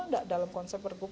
atau dalam konsep berbuk